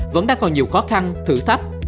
vẫn đang còn nhiều khó khăn thử thách